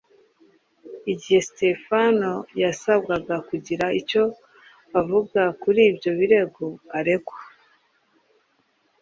Igihe Sitefano yasabwaga kugira icyo avuga kuri ibyo birego aregwa,